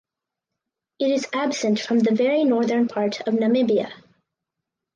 It is absent from the very northern part of Namibia.